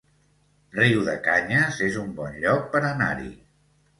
Riudecanyes es un bon lloc per anar-hi